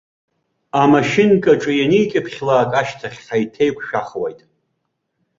Амашьынкаҿы ианикьыԥхьлак ашьҭахь, ҳаиҭеиқәшәахуеит.